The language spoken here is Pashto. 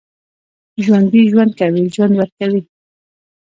ژوندي ژوند کوي، ژوند ورکوي